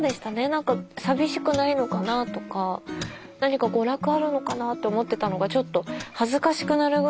何か寂しくないのかなとか何か娯楽あるのかなって思ってたのがちょっと恥ずかしくなるぐらい。